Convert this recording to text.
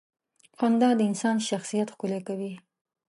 • خندا د انسان شخصیت ښکلې کوي.